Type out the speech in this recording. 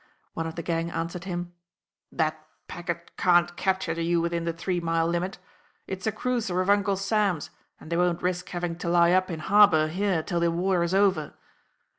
One of the gang answered him: "That packet can't capture you within the three mile limit; it's a cruiser of Uncle Sam's and they won't risk having to lie up in harbour here till the war is over."